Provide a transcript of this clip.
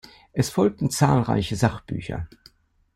Es folgten zahlreiche Sachbücher.